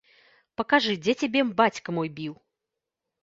Пакажы, дзе цябе бацька мой біў?